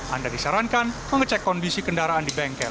anda disarankan mengecek kondisi kendaraan di bengkel